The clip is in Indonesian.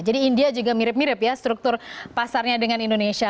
jadi india juga mirip mirip ya struktur pasarnya dengan indonesia